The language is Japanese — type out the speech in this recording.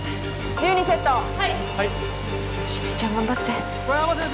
１０にセットはい汐里ちゃん頑張って小山先生！